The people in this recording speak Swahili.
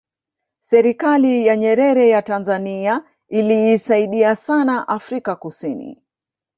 serikali ya nyerere ya tanzania iliisaidia sana afrika kusini